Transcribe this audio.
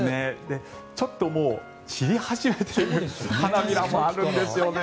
ちょっと、散り始めてる花びらもあるんですよね。